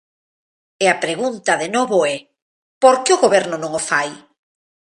E a pregunta, de novo, é: ¿por que o Goberno non o fai?